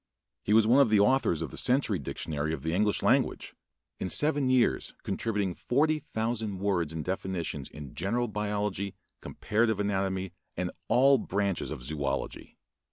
He was one of the authors of the Century Dictionary of the English Language, in seven years contributing 40,000 words and definitions in general biology, comparative anatomy, and all branches of zoölogy.